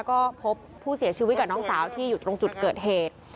ก็พบผู้เสียชีวิตกับน้องสาวที่อยู่ตรงจุดเกิดเหตุ